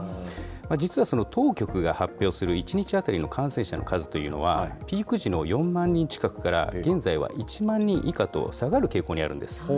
実は当局が発表する１日当たりの感染者の数というのは、ピーク時の４万人近くから、現在は１万人以下と下がる傾向にあるんです。